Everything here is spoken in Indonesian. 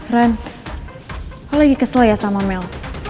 ren lo lagi kesel ya sama mel